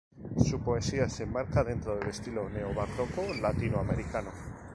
Su poesía se enmarca dentro del estilo neobarroco latinoamericano.